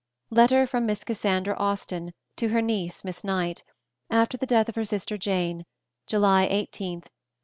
... _Letters from Miss Cassandra Austen to her niece Miss Knight, after the death of her sister Jane, July 18, 1817.